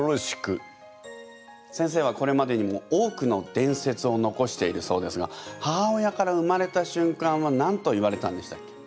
先生はこれまでにも多くの伝説を残しているそうですが母親から生まれた瞬間は何と言われたんでしたっけ？